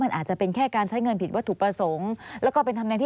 มันอาจจะเป็นแผ่นใช้เงินผิดว่าถุประสงค์